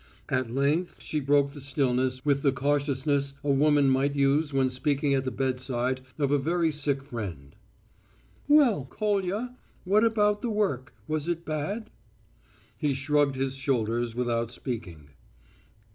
At length she broke the stillness with the cautiousness a woman might use when speaking at the bedside of a very sick friend: "Well, Kolya, what about the work? Was it bad?" He shrugged his shoulders without speaking.